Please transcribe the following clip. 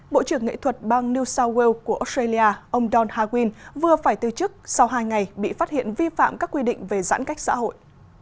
bộ trưởng nghệ thuật bang new south wales của australia ông don howin vừa phải từ chức sau hai ngày bị phát hiện vi phạm các quy định về giãn cách xã hội